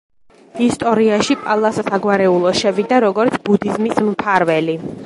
ისტორიაში პალას საგვარეულო შევიდა როგორც ბუდიზმის მფარველი.